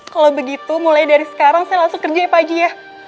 kalau begitu mulai dari sekarang saya langsung kerja ya pagi ya